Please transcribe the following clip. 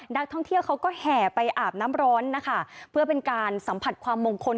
นักท่องเที่ยวเขาก็แห่ไปอาบน้ำร้อนนะคะเพื่อเป็นการสัมผัสความมงคล